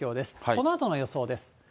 このあとの予想です。